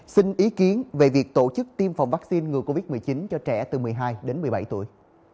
xin ý kiến về việc tổ chức tiêm phòng vaccine ngừa covid một mươi chín cho trẻ từ một mươi hai đến một mươi bảy tuổi